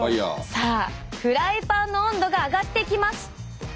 さあフライパンの温度が上がっていきます！